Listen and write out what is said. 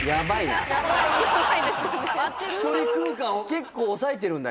１人空間を結構抑えてるんだ？